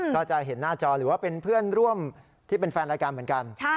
ก็จะเห็นหน้าจอหรือว่าเป็นเพื่อนร่วมที่เป็นแฟนรายการเหมือนกัน